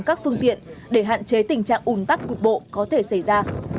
các phương tiện để hạn chế tình trạng ủn tắc cục bộ có thể xảy ra